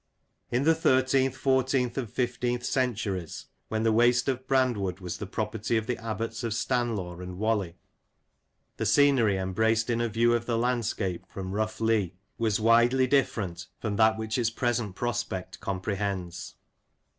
In the thirteenth, fourteenth, and fifteenth centuries, when the waste of Brandwood was the property of the Abbots of Stanlaw and Whalley, the scenery embraced in a view of the landscape from Rough Lee, was widely different from that which its present prospect comprehends.